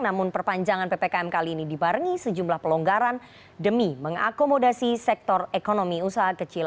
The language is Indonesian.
namun perpanjangan ppkm kali ini dibarengi sejumlah pelonggaran demi mengakomodasi sektor ekonomi usaha kecil